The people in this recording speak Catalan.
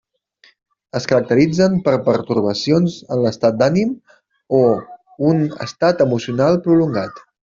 Es caracteritzen per pertorbacions en l'estat d'ànim o un estat emocional prolongat.